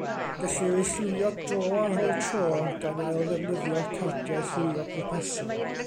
Gellir eu lliwio dro ar ôl tro, gan ailddefnyddio'r cardiau lliwio pwrpasol.